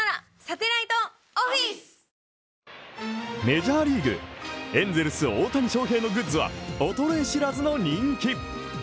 メジャーリーグ、エンゼルス大谷翔平のグッズは衰え知らずの人気。